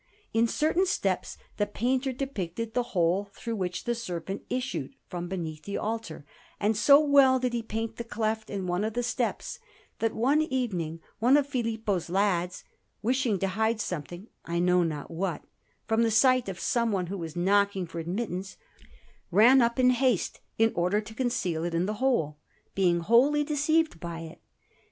In certain steps the painter depicted the hole through which the serpent issued from beneath the altar, and so well did he paint the cleft in one of the steps, that one evening one of Filippo's lads, wishing to hide something, I know not what, from the sight of someone who was knocking for admittance, ran up in haste in order to conceal it in the hole, being wholly deceived by it.